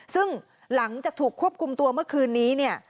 ซึ่งหลังจะถูกควบคุมตัวเมื่อคืนนี้